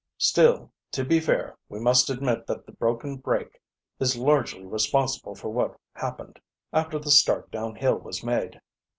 "Still, to be fair, we must admit that the broken brake is largely responsible for what happened, after the start down hill was made."